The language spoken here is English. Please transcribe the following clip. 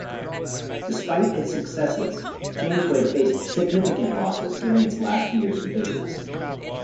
Despite its successes, Jamesway faced significant losses during its last years in business.